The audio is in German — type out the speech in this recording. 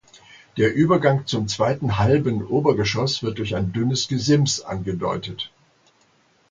Der Übergang zum zweiten halben Obergeschoss wird durch ein dünnes Gesims angedeutet.